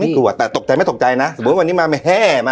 กลัวแต่ตกใจไม่ตกใจนะสมมุติวันนี้มาแม่มา